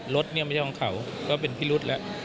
รถเนี่ยไม่ใช่ของเขาก็เป็นพิรุษแล้ว